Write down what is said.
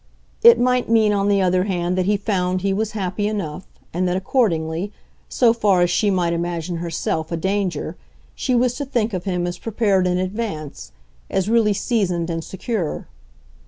It might mean on the other hand that he found he was happy enough, and that accordingly, so far as she might imagine herself a danger, she was to think of him as prepared in advance, as really seasoned and secure.